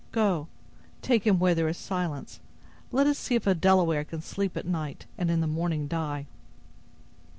Go! take him where there is silence; let us see if a Delaware can sleep at night, and in the morning die."